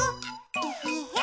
えへへ。